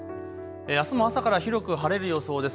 あすも朝から広く晴れる予想です。